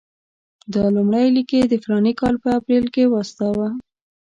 دا لومړی لیک یې د فلاني کال په اپرېل کې واستاوه.